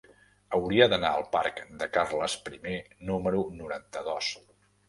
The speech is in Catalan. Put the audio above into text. Hauria d'anar al parc de Carles I número noranta-dos.